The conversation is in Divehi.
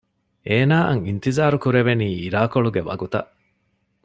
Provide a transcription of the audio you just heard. އޭނާއަށް އިންތިޒާރު ކުރެވެނީ އިރާކޮޅުގެ ވަގުތަށް